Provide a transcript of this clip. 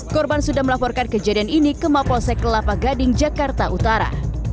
korban sudah melaporkan kejadian ini ke mapolsek kelapa gading jakarta utara